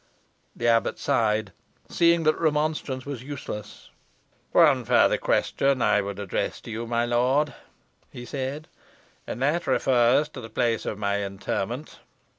The abbot sighed, seeing that remonstrance was useless. "One further question I would address to you, my lord," he said, "and that refers to the place of my interment.